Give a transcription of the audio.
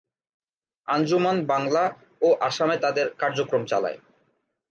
আঞ্জুমান বাংলা ও আসামে তাদের কার্যক্রম চালায়।